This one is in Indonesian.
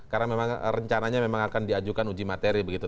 karena memang rencananya memang akan diajukan uji materi begitu